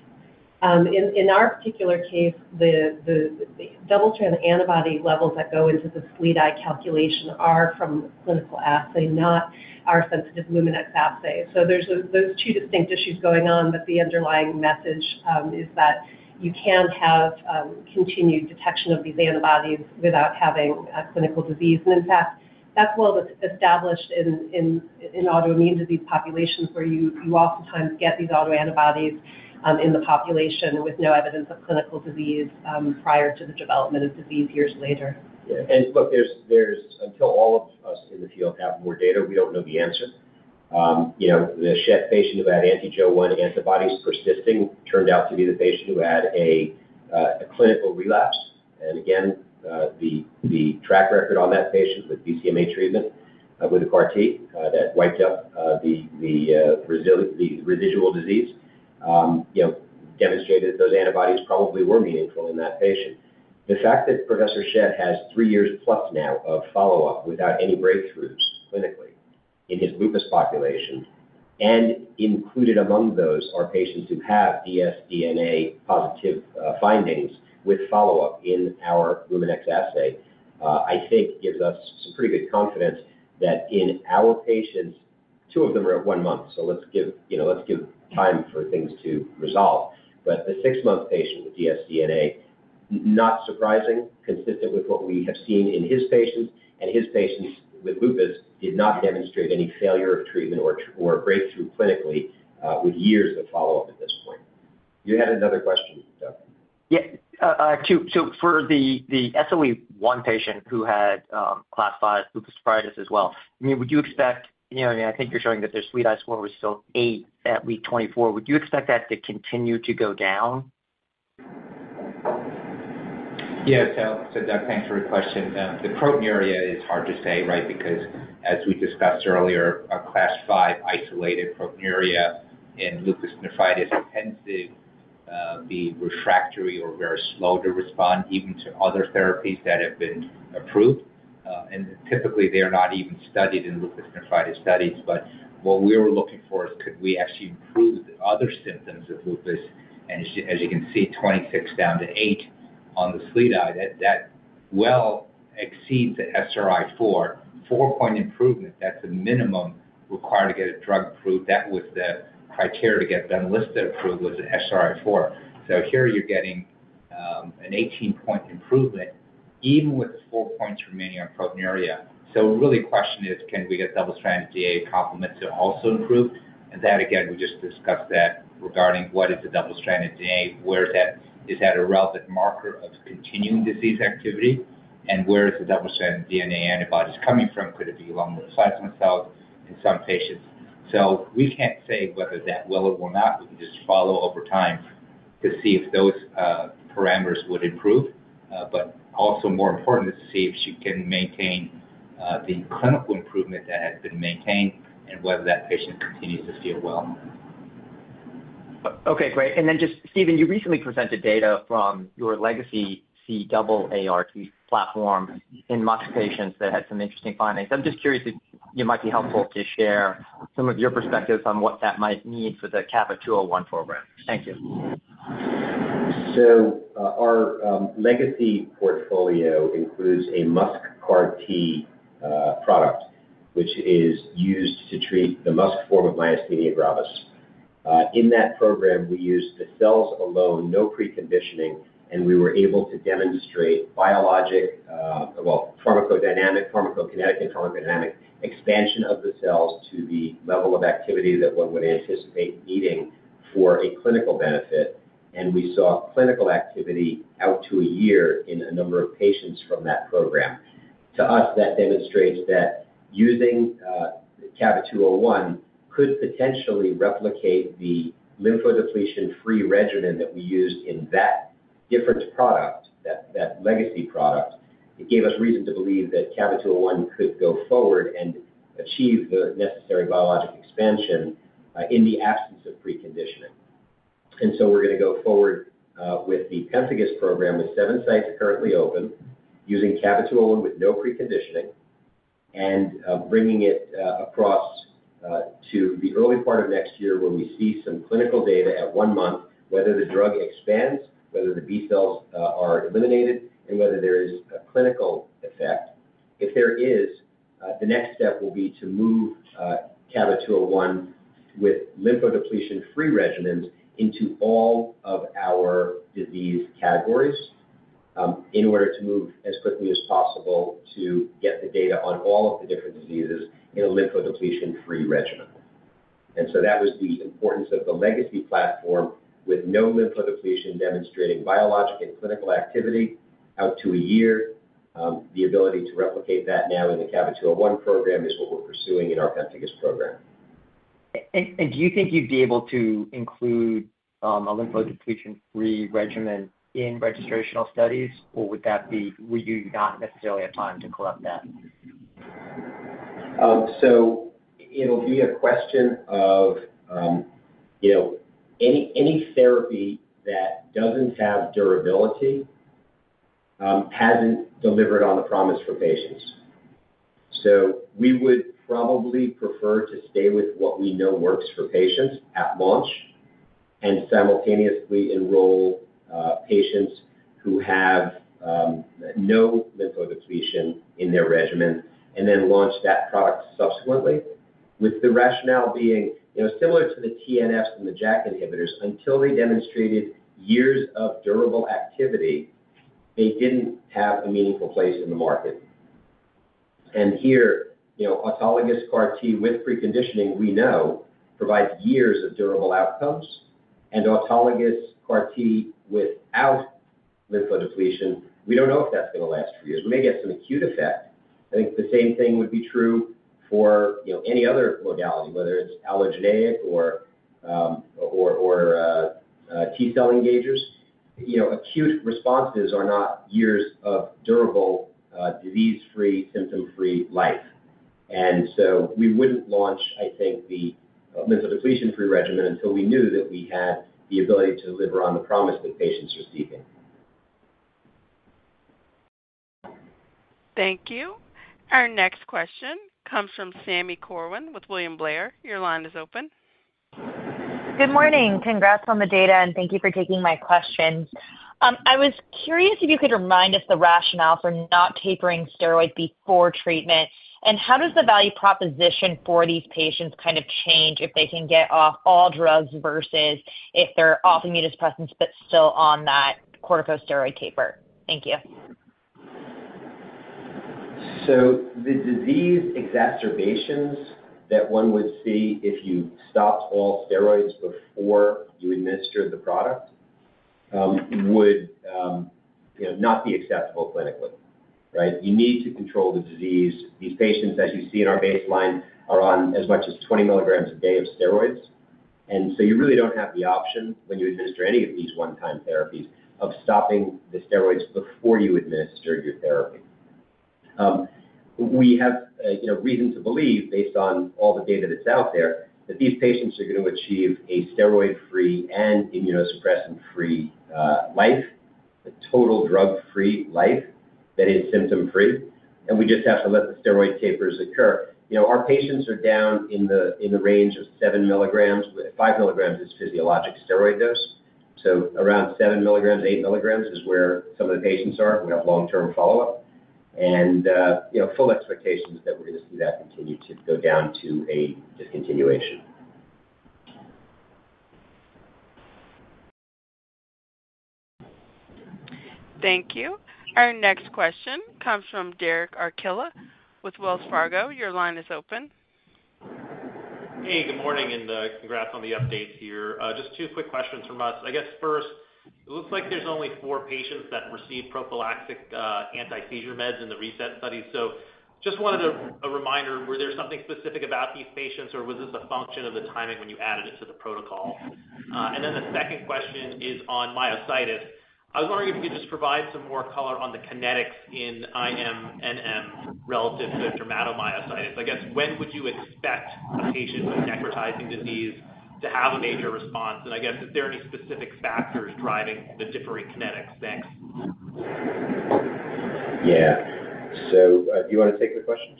Speaker 7: In our particular case, the double-stranded antibody levels that go into the SLEDAI calculation are from clinical assay, not our sensitive luminescence assay. So there's those two distinct issues going on, but the underlying message is that you can have continued detection of these antibodies without having a clinical disease. In fact, that's well established in autoimmune disease populations where you oftentimes get these autoantibodies in the population with no evidence of clinical disease prior to the development of disease years later.
Speaker 3: And look, until all of us in the field have more data, we don't know the answer. The Schett patient who had anti-Jo-1 antibodies persisting turned out to be the patient who had a clinical relapse. And again, the track record on that patient with BCMA treatment with the CAR-T that wiped up the residual disease demonstrated that those antibodies probably were meaningful in that patient. The fact that Professor Schett has three years plus now of follow-up without any breakthroughs clinically in his lupus population, and included among those are patients who have dsDNA positive findings with follow-up in our Luminex assay, I think gives us some pretty good confidence that in our patients, two of them are at one month, so let's give time for things to resolve. But the six-month patient with dsDNA, not surprising, consistent with what we have seen in his patients. His patients with lupus did not demonstrate any failure of treatment or breakthrough clinically with years of follow-up at this point. You had another question, Doug.
Speaker 10: Yeah. So for the SLE1 patient who had Class V lupus nephritis as well, I mean, would you expect I think you're showing that their SLEDAI score was still eight at week 24. Would you expect that to continue to go down?
Speaker 5: Yeah. So Doug, thanks for your question. The proteinuria is hard to say, right? Because as we discussed earlier, a class 5 isolated proteinuria in lupus nephritis tends to be refractory or very slow to respond even to other therapies that have been approved. And typically, they're not even studied in lupus nephritis studies. But what we were looking for is, could we actually improve the other symptoms of lupus? And as you can see, 26 down to 8 on the SLEDAI, that well exceeds the SRI-4. Four-point improvement, that's a minimum required to get a drug approved. That was the criteria to get Benlysta approved was the SRI-4. So here you're getting an 18-point improvement even with the four points remaining on proteinuria. So really the question is, can we get anti-dsDNA complements to also improve? And that, again, we just discussed that regarding what is the double-stranded DNA, where is that a relevant marker of continuing disease activity, and where is the double-stranded DNA antibodies coming from? Could it be along with plasma cells in some patients? So we can't say whether that will or will not. We can just follow over time to see if those parameters would improve. But also more important is to see if she can maintain the clinical improvement that has been maintained and whether that patient continues to feel well.
Speaker 10: Okay. Great. And then just, Steven, you recently presented data from your legacy CAART platform in myositis patients that had some interesting findings. I'm just curious if it might be helpful to share some of your perspectives on what that might mean for the CABA-201 program. Thank you.
Speaker 3: Our legacy portfolio includes a MuSK CAR-T product, which is used to treat the MuSK form of myasthenia gravis. In that program, we used the cells alone, no preconditioning, and we were able to demonstrate biologic, well, pharmacodynamic, pharmacokinetic expansion of the cells to the level of activity that one would anticipate needing for a clinical benefit. We saw clinical activity out to a year in a number of patients from that program. To us, that demonstrates that using CABA-201 could potentially replicate the lymphodepletion-free regimen that we used in that different product, that legacy product. It gave us reason to believe that CABA-201 could go forward and achieve the necessary biologic expansion in the absence of preconditioning. And so we're going to go forward with the RESET program with seven sites currently open, using CABA-201 with no preconditioning, and bringing it across to the early part of next year when we see some clinical data at one month, whether the drug expands, whether the B cells are eliminated, and whether there is a clinical effect. If there is, the next step will be to move CABA-201 with lymphodepletion-free regimens into all of our disease categories in order to move as quickly as possible to get the data on all of the different diseases in a lymphodepletion-free regimen. And so that was the importance of the legacy platform with no lymphodepletion demonstrating biologic and clinical activity out to a year. The ability to replicate that now in the CABA-201 program is what we're pursuing in our RESET program.
Speaker 10: Do you think you'd be able to include a lymphodepletion-free regimen in registrational studies, or would that be where you not necessarily have time to collect that?
Speaker 3: So it'll be a question of any therapy that doesn't have durability hasn't delivered on the promise for patients. So we would probably prefer to stay with what we know works for patients at launch and simultaneously enroll patients who have no lymphodepletion in their regimens and then launch that product subsequently, with the rationale being similar to the TNFs and the JAK inhibitors. Until they demonstrated years of durable activity, they didn't have a meaningful place in the market. And here, autologous CAR-T with preconditioning, we know, provides years of durable outcomes. And autologous CAR-T without lymphodepletion, we don't know if that's going to last for years. We may get some acute effect. I think the same thing would be true for any other modality, whether it's allogeneic or T cell engagers. Acute responses are not years of durable disease-free, symptom-free life. And so we wouldn't launch, I think, the lymphodepletion-free regimen until we knew that we had the ability to deliver on the promise that patients are seeking.
Speaker 1: Thank you. Our next question comes from Sami Corwin with William Blair. Your line is open.
Speaker 11: Good morning. Congrats on the data, and thank you for taking my questions. I was curious if you could remind us the rationale for not tapering steroids before treatment, and how does the value proposition for these patients kind of change if they can get off all drugs versus if they're off immune suppressants but still on that corticosteroid taper? Thank you.
Speaker 3: The disease exacerbations that one would see if you stopped all steroids before you administer the product would not be acceptable clinically, right? You need to control the disease. These patients, as you see in our baseline, are on as much as 20 milligrams a day of steroids. And so you really don't have the option, when you administer any of these one-time therapies, of stopping the steroids before you administer your therapy. We have reason to believe, based on all the data that's out there, that these patients are going to achieve a steroid-free and immunosuppressant-free life, a total drug-free life that is symptom-free. And we just have to let the steroid tapers occur. Our patients are down in the range of seven milligrams. Five milligrams is physiologic steroid dose. So around seven milligrams, eight milligrams is where some of the patients are who have long-term follow-up. Full expectation is that we're going to see that continue to go down to a discontinuation.
Speaker 1: Thank you. Our next question comes from Derek Archilla with Wells Fargo. Your line is open.
Speaker 12: Hey, good morning, and congrats on the updates here. Just two quick questions from us. I guess first, it looks like there's only four patients that received prophylactic anti-seizure meds in the RESET study. So just wanted a reminder, was there something specific about these patients, or was this a function of the timing when you added it to the protocol? And then the second question is on myositis. I was wondering if you could just provide some more color on the kinetics in IMNM relative to dermatomyositis. I guess when would you expect a patient with necrotizing disease to have a major response? And I guess, is there any specific factors driving the differing kinetics? Thanks.
Speaker 3: Yeah. So do you want to take the questions?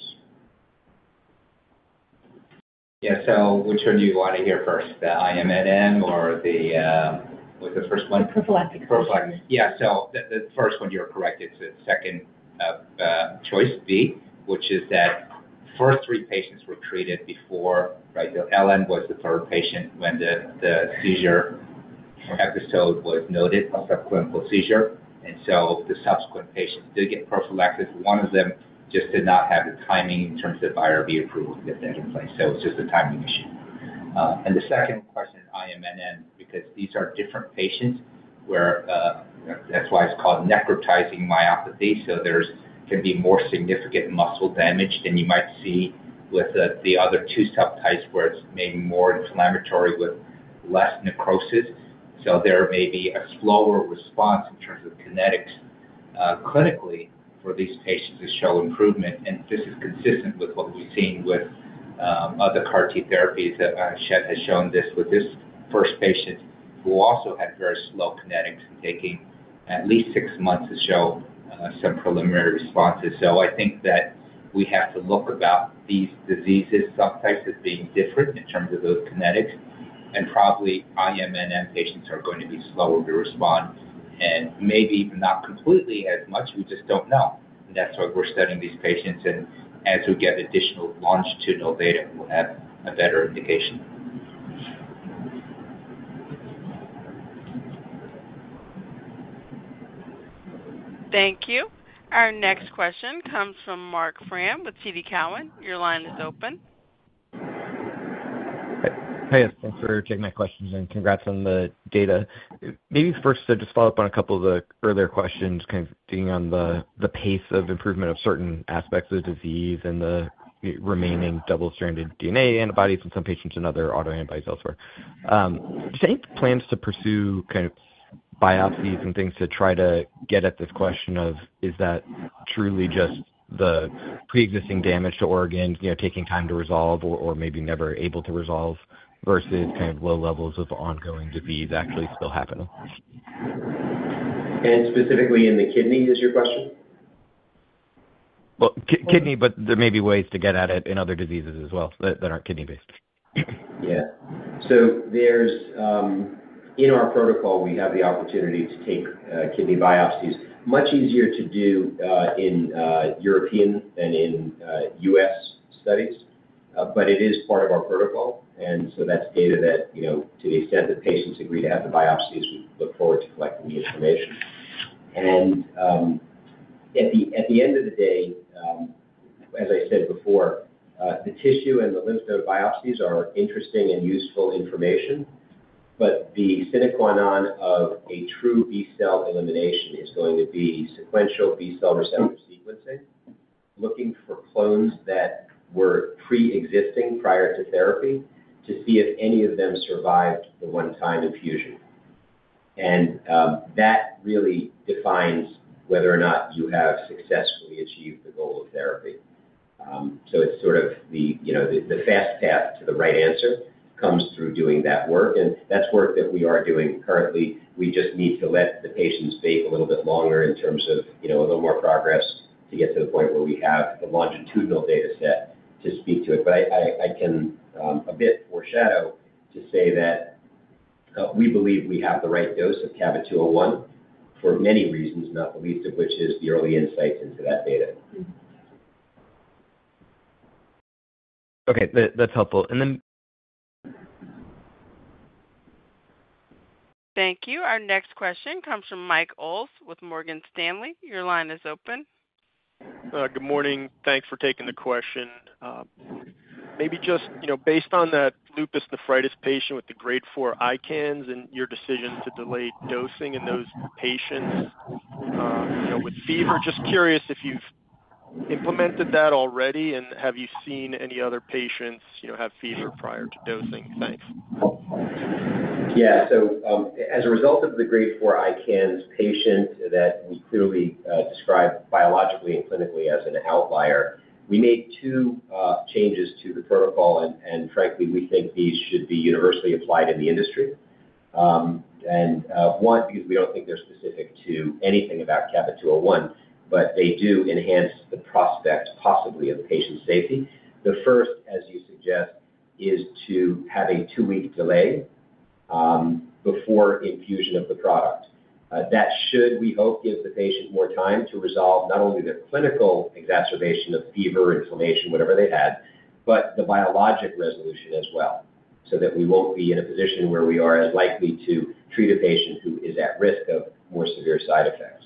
Speaker 5: Yeah. So which one do you want to hear first, the IMNM or the first one?
Speaker 7: Prophylactic.
Speaker 5: Prophylactic. Yeah. So the first one, you're correct. It's the second choice B, which is that first three patients were treated before, right? LN was the third patient when the seizure episode was noted, subclinical seizure. And so the subsequent patients did get prophylaxis. One of them just did not have the timing in terms of IRB approval to get that in place. So it's just a timing issue. And the second question, IMNM, because these are different patients where that's why it's called necrotizing myopathy. So there can be more significant muscle damage than you might see with the other two subtypes where it's maybe more inflammatory with less necrosis. So there may be a slower response in terms of kinetics. Clinically, for these patients to show improvement, and this is consistent with what we've seen with other CAR-T therapies that I've shown this with this first patient who also had very slow kinetics and taking at least six months to show some preliminary responses. So I think that we have to look about these diseases, subtypes as being different in terms of those kinetics. And probably IMNM patients are going to be slower to respond and maybe not completely as much. We just don't know. And that's why we're studying these patients. And as we get additional longitudinal data, we'll have a better indication.
Speaker 1: Thank you. Our next question comes from Marc Frahm with TD Cowen. Your line is open.
Speaker 13: Hi, yes. Thanks for taking my questions and congrats on the data. Maybe first to just follow up on a couple of the earlier questions kind of being on the pace of improvement of certain aspects of the disease and the remaining double-stranded DNA antibodies in some patients and other autoantibodies elsewhere. Do you have any plans to pursue kind of biopsies and things to try to get at this question of, is that truly just the pre-existing damage to organs taking time to resolve or maybe never able to resolve versus kind of low levels of ongoing disease actually still happening?
Speaker 3: Specifically in the kidney, is your question?
Speaker 13: Kidney, but there may be ways to get at it in other diseases as well that aren't kidney-based.
Speaker 3: Yeah. So in our protocol, we have the opportunity to take kidney biopsies. Much easier to do in European than in U.S. studies, but it is part of our protocol. And so that's data that, to the extent that patients agree to have the biopsies, we look forward to collecting the information. And at the end of the day, as I said before, the tissue and the lymph node biopsies are interesting and useful information, but the sine qua non of a true B cell elimination is going to be sequential B cell receptor sequencing, looking for clones that were pre-existing prior to therapy to see if any of them survived the one-time infusion. And that really defines whether or not you have successfully achieved the goal of therapy. So it's sort of the fast path to the right answer comes through doing that work. And that's work that we are doing currently. We just need to let the patients bake a little bit longer in terms of a little more progress to get to the point where we have a longitudinal data set to speak to it. But I can a bit foreshadow to say that we believe we have the right dose of CABA-201 for many reasons, not the least of which is the early insights into that data.
Speaker 13: Okay. That's helpful, and then.
Speaker 1: Thank you. Our next question comes from Michael Ulz with Morgan Stanley. Your line is open.
Speaker 14: Good morning. Thanks for taking the question. Maybe just based on that Lupus nephritis patient with the grade four ICANS and your decision to delay dosing in those patients with fever, just curious if you've implemented that already, and have you seen any other patients have fever prior to dosing? Thanks.
Speaker 3: Yeah. So as a result of the grade 4 ICANS patient that we clearly described biologically and clinically as an outlier, we made two changes to the protocol. And frankly, we think these should be universally applied in the industry. And one, because we don't think they're specific to anything about CABA-201, but they do enhance the prospect possibly of patient safety. The first, as you suggest, is to have a two-week delay before infusion of the product. That should, we hope, give the patient more time to resolve not only their clinical exacerbation of fever, inflammation, whatever they had, but the biologic resolution as well so that we won't be in a position where we are as likely to treat a patient who is at risk of more severe side effects.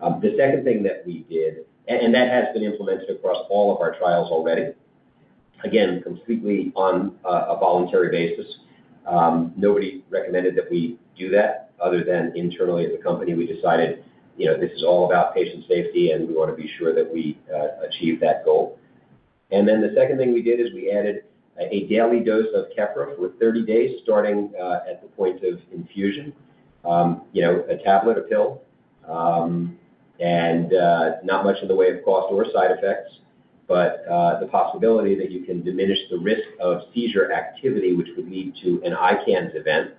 Speaker 3: The second thing that we did, and that has been implemented across all of our trials already, again, completely on a voluntary basis. Nobody recommended that we do that other than internally at the company. We decided this is all about patient safety, and we want to be sure that we achieve that goal. And then the second thing we did is we added a daily dose of Keppra for 30 days starting at the point of infusion, a tablet, a pill, and not much in the way of cost or side effects. But the possibility that you can diminish the risk of seizure activity, which would lead to an ICANS event,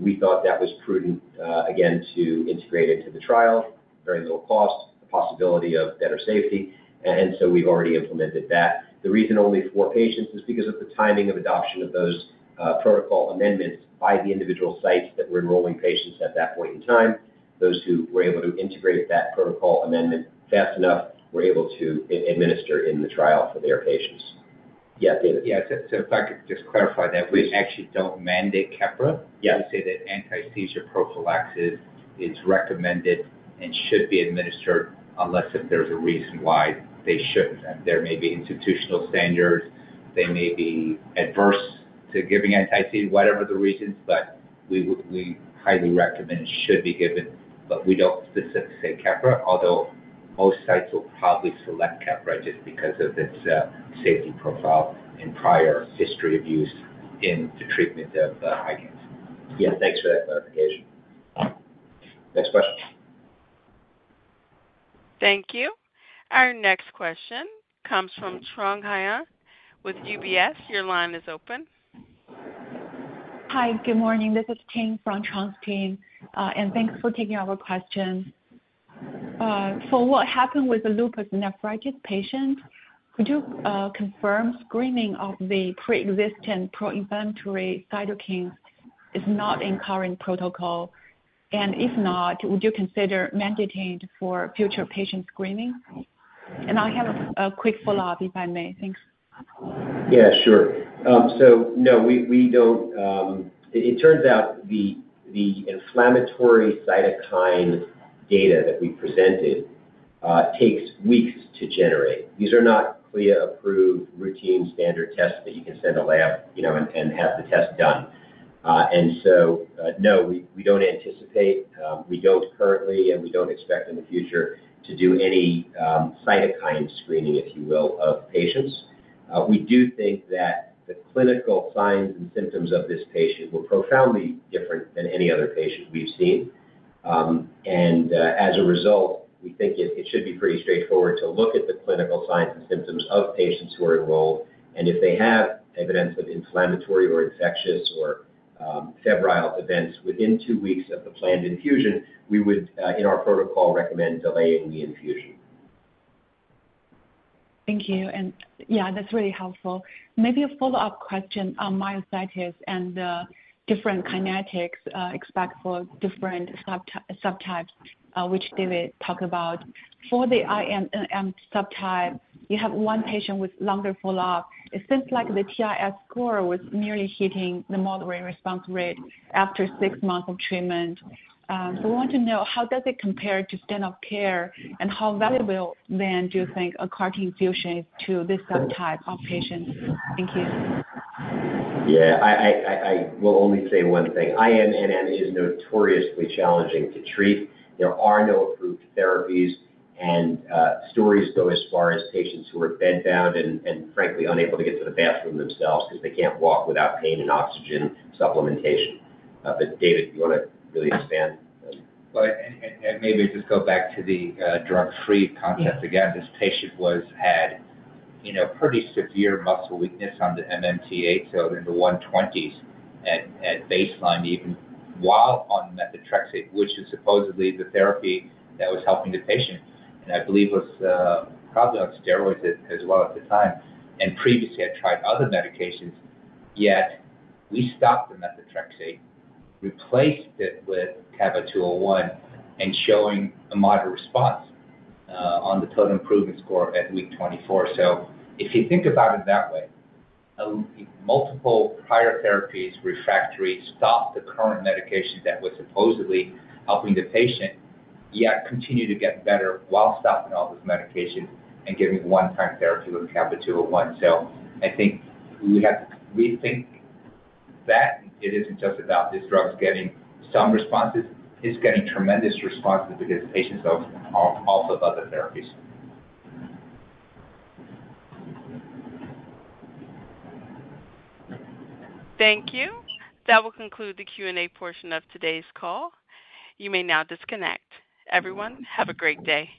Speaker 3: we thought that was prudent, again, to integrate into the trial, very low cost, the possibility of better safety. And so we've already implemented that. The reason only four patients is because of the timing of adoption of those protocol amendments by the individual sites that were enrolling patients at that point in time. Those who were able to integrate that protocol amendment fast enough were able to administer in the trial for their patients. Yeah, David.
Speaker 5: Yeah. So if I could just clarify that, we actually don't mandate Keppra. We say that antiseizure prophylaxis is recommended and should be administered unless if there's a reason why they shouldn't. There may be institutional standards. They may be adverse to giving antiseizure, whatever the reasons, but we highly recommend it should be given. But we don't specifically say Keppra, although most sites will probably select Keppra just because of its safety profile and prior history of use in the treatment of ICANS.
Speaker 3: Yeah. Thanks for that clarification. Next question.
Speaker 1: Thank you. Our next question comes from Trung Huynh with UBS. Your line is open.
Speaker 15: Hi, good morning. This is Cheng from Trung's team, and thanks for taking our question. For what happened with the lupus nephritis patient, could you confirm screening of the pre-existing pro-inflammatory cytokines is not in current protocol? And if not, would you consider mandating it for future patient screening? And I have a quick follow-up, if I may. Thanks.
Speaker 3: Yeah, sure. So no, we don't. It turns out the inflammatory cytokine data that we presented takes weeks to generate. These are not CLIA-approved routine standard tests that you can send to lab and have the test done. And so no, we don't anticipate. We don't currently, and we don't expect in the future to do any cytokine screening, if you will, of patients. We do think that the clinical signs and symptoms of this patient were profoundly different than any other patient we've seen. And as a result, we think it should be pretty straightforward to look at the clinical signs and symptoms of patients who are enrolled. And if they have evidence of inflammatory or infectious or febrile events within two weeks of the planned infusion, we would, in our protocol, recommend delaying the infusion.
Speaker 15: Thank you. And yeah, that's really helpful. Maybe a follow-up question on myositis and different kinetics expected for different subtypes, which David talked about. For the IMNM subtype, you have one patient with longer follow-up. It seems like the TIS score was merely hitting the moderate response rate after six months of treatment. So we want to know how does it compare to standard of care and how valuable then do you think a CAR-T infusion is to this subtype of patients? Thank you.
Speaker 3: Yeah. I will only say one thing. IMNM is notoriously challenging to treat. There are no approved therapies, and stories go as far as patients who are bedbound and frankly unable to get to the bathroom themselves because they can't walk without pain and oxygen supplementation. But David, do you want to really expand? And maybe just go back to the drug-free concept again. This patient had pretty severe muscle weakness on the MMT-8, so in the 120s at baseline, even while on methotrexate, which is supposedly the therapy that was helping the patient. And I believe was probably on steroids as well at the time. And previously, I tried other medications, yet we stopped the methotrexate, replaced it with CABA-201, and showing a moderate response on the total improvement score at week 24. So if you think about it that way, multiple prior therapies, refractory, stopped the current medication that was supposedly helping the patient, yet continued to get better while stopping all those medications and giving one-time therapy with CABA-201. So I think we have to rethink that. It isn't just about these drugs getting some responses. It's getting tremendous responses because patients are off of other therapies.
Speaker 1: Thank you. That will conclude the Q&A portion of today's call. You may now disconnect. Everyone, have a great day.